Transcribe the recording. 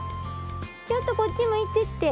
ちょっとこっち向いてって。